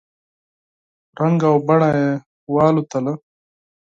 رنګ او بڼه یې والوتله !